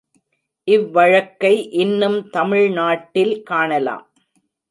இவ்வழக்கை இன்னும் தமிழ்நாட்டில் காணலாம்.